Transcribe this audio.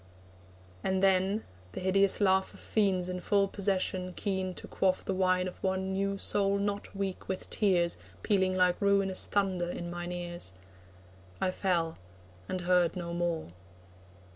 And then (the hideous laugh Of fiends in full possession, keen to quaff The wine of one new soul not weak with tears, Pealing like ruinous thunder in mine ears) I fell, and heard no more.